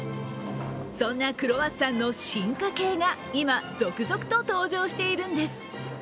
そんなクロワッサンの進化形が今、続々と登場しているんです。